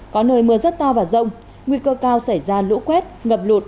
có nơi mưa rất to và rông nguy cơ cao xảy ra lũ quét ngập lụt